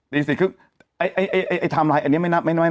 ตีสี่ครึ่งไอ้ไอ้ไอ้ไอ้ทำลายอันนี้ไม่น่าไม่น่า